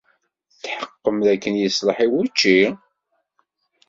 Tetḥeqqem dakken yeṣleḥ i wučči?